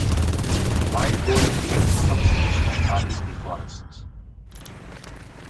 Wild boar and deer subspecies are in the forests.